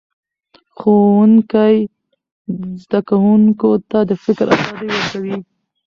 ښوونکی زده کوونکو ته د فکر ازادي ورکوي